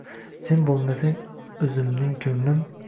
Sen bo’lmasang o’zimning ko’nglim